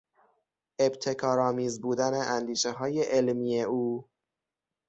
ابتکارآمیز بودن اندیشههای علمی او